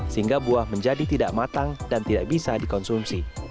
sehingga buah menjadi tidak matang dan tidak bisa dikonsumsi